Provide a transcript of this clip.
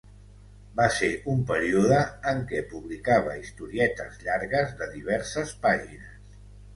Va ser un període en què publicava historietes llargues, de diverses pàgines.